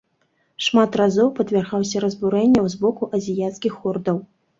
Шмат разоў падвяргаўся разбурэнняў з боку азіяцкіх ордаў.